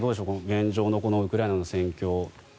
現状のウクライナの戦況。